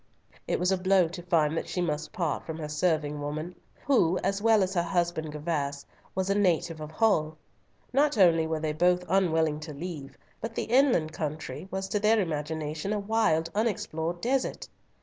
It was a blow to find that she must part from her servant woman, who, as well as her husband Gervas, was a native of Hull. Not only were they both unwilling to leave, but the inland country was to their imagination a wild unexplored desert.